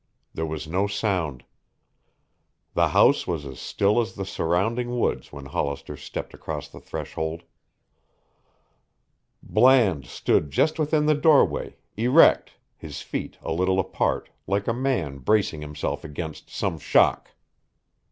There was no sound. The house was as still as the surrounding woods when Hollister stepped across the threshold. Bland stood just within the doorway, erect, his feet a little apart, like a man bracing himself against some shock.